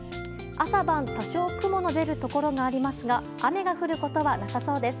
朝晩、多少雲の出るところがありますが雨が降ることはなさそうです。